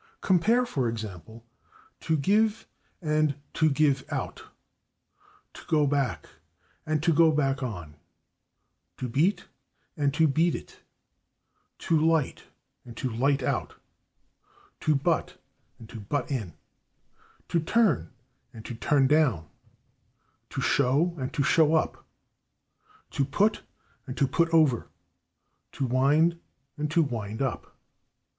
Compare, for example, /to give/ and /to give out/, /to go back/ and /to go back on/, /to beat/ and /to beat it/, /to light/ and /to light out/, /to butt/ and /to butt in/, /to turn/ and /to turn down/, /to show/ and /to show up/, /to put/ and /to put over/, /to wind/ and /to wind up